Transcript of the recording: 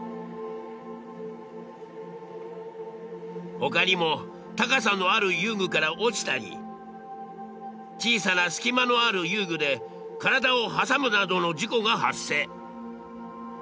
他にも高さのある遊具から落ちたり小さな隙間のある遊具で体を挟むなどの事故が発生。